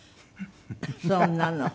そんなの。